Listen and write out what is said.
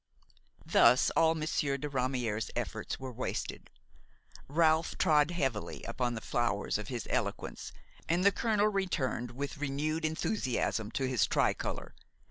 Thus all Monsieur de Ramière's efforts were wasted; Ralph trod heavily upon the flowers of his eloquence and the colonel returned with renewed enthusiasm to his tri color.